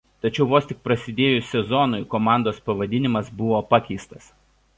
Tačiau vos tik prasidėjus sezonui komandos pavadinimas buvo pakeistas.